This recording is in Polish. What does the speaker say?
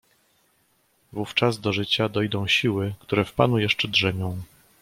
"Wówczas do życia dojdą siły, które w panu jeszcze drzemią."